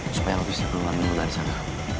supaya lo bisa keluar dulu dari sana